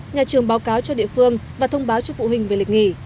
nhà trường báo cáo cho địa phương và thông báo cho phụ huynh về lịch nghỉ